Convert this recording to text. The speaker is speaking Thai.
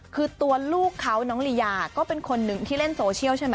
คือตัวลูกเขาน้องลียาก็เป็นคนหนึ่งที่เล่นโซเชียลใช่ไหม